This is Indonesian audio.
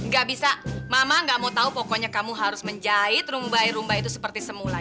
gak bisa mama gak mau tahu pokoknya kamu harus menjahit rumbai rumba itu seperti semula